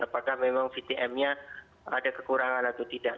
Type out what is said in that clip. apakah memang vtmnya ada kekurangan atau tidak